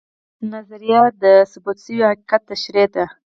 نظریه د ثبوت شوي حقیقت تشریح ده